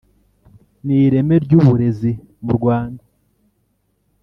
n ireme ry uburezi mu Rwanda